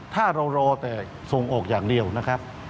ถ้าเรารอแต่ส่งออกอย่างเดียวนะครับ